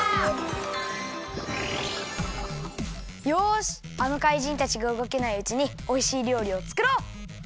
よしあのかいじんたちがうごけないうちにおいしいりょうりをつくろう！